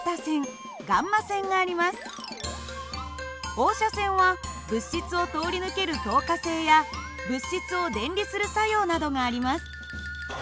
放射線は物質を通り抜ける透過性や物質を電離する作用などがあります。